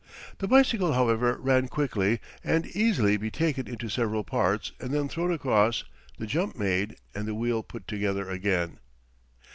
The bicycle, however, can quickly and easily be taken into several parts and thrown across, the jump made, and the wheel put together again.